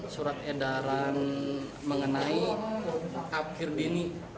surat edaran mengenai akhir dini